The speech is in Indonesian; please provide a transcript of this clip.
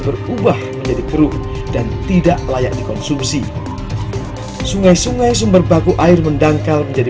berubah menjadi keruh dan tidak layak dikonsumsi sungai sungai sumber baku air mendangkal menjadi